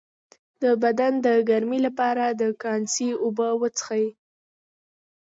د بدن د ګرمۍ لپاره د کاسني اوبه وڅښئ